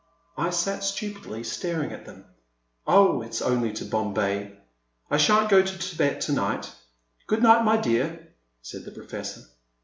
I sat stupidly staring at them. Oh, it *s only to Bombay — I shan't go to Thibet to night, — good night, my dear," said the Professor.